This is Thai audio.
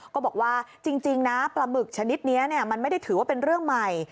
ก็บอกว่าจริงนะปลาหมึกชนิดนี้มันไม่ได้ถือว่าเป็นเรื่องใหม่